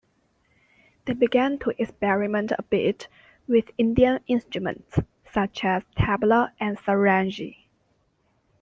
They began to experiment a bit with Indian instruments, such as tabla and sarangi.